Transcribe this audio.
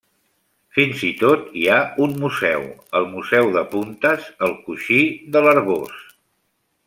Fins i tot hi ha un museu, el Museu de Puntes al Coixí de l'Arboç.